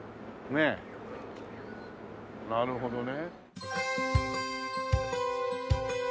なるほどね。